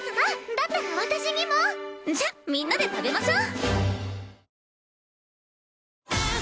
だったら私にも！じゃみんなで食べましょう。